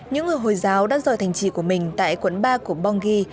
những người hồi giáo đã rời thành trì của mình tại quận ba của bongi